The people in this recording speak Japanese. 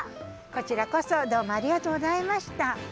こちらこそどうもありがとうございました。